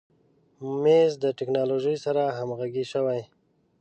مېز د تکنالوژۍ سره همغږی شوی.